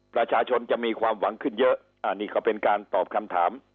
ประชาชนจะมีความหวังขึ้นเยอะอันนี้ก็เป็นการตอบคำถาม